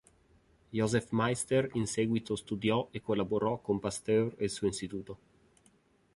Joseph Meister in seguito studiò e collaborò con Pasteur ed il suo istituto.